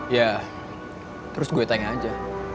ya terus gue tanya aja